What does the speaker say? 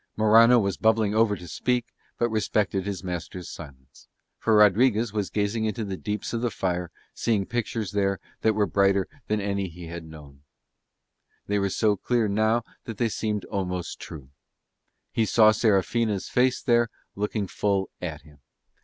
Morano was bubbling over to speak, but respected his master's silence: for Rodriguez was gazing into the deeps of the fire seeing pictures there that were brighter than any that he had known. They were so clear now that they seemed almost true. He saw Serafina's face there looking full at him.